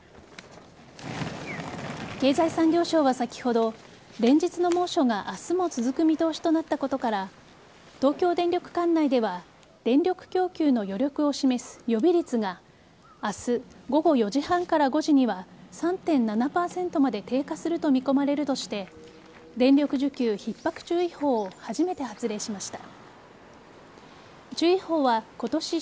経済産業省は先ほど連日の猛暑が明日も続く見通しとなったことから東京電力管内では電力供給の余力を示す予備率が明日午後４時半から５時には３．７％まで低下すると見込まれるとして電力需給ひっ迫注意報を初めて発令しました。